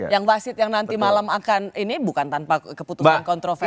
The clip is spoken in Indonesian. yang wasit yang nanti malam akan ini bukan tanpa keputusan kontroversial